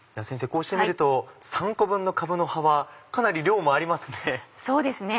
こうして見ると３個分のかぶの葉はかなり量もありますね。